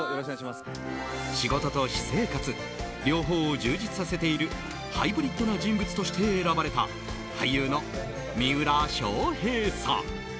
仕事と私生活両方を充実させているハイブリッドな人物として選ばれた俳優の三浦翔平さん。